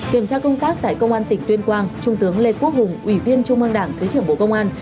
kiểm tra công tác tại công an tỉnh tuyên quang trung tướng lê quốc hùng ủy viên trung mương đảng thứ trưởng bộ công an